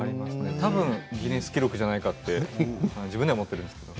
たぶんギネス記録じゃないかって自分で思ってるんですけど。